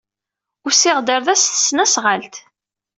Usiɣ-d ɣer da s tesnasɣalt.